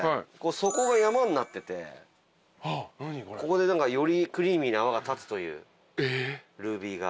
底が山になっててここでよりクリーミーな泡が立つというルービーが。